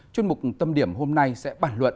chuyên mục tâm điểm hôm nay là những công trình sai phạm